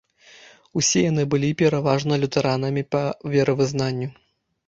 Усе яны былі пераважна лютэранамі па веравызнанню.